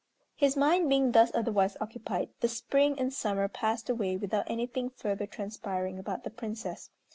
His mind being thus otherwise occupied, the spring and summer passed away without anything further transpiring about the Princess.